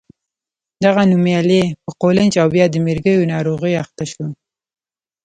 دغه نومیالی په قولنج او بیا د مرګو ناروغۍ اخته شو.